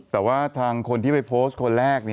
แต่ว่าทางคนที่ไปโพสต์คนแรก